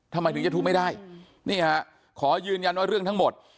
ทำไมถึงจะทุบไม่ได้นี่ฮะขอยืนยันว่าเรื่องทั้งหมด